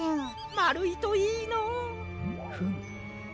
まるいといいのう。フム。